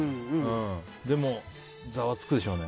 でも、ざわつくでしょうね。